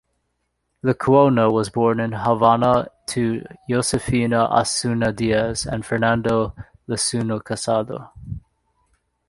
Lecuona was born in Havana to Josefina Asencio Diaz and Fernando Lecuona Casado.